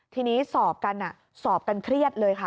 ทีนี้สอบกันเครียดเลยค่ะ